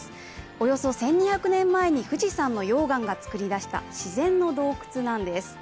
およそ１２００年前に富士山の溶岩が作り出した自然の洞窟なんです。